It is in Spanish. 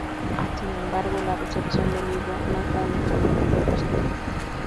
Sin embargo, la recepción del libro no fue uniformemente positiva.